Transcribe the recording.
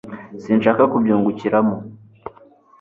sinshaka kubyungukiramo